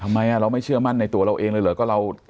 ทำไมเราไม่เชื่อมั่นในตัวเราเองเลยเหรอก็เรา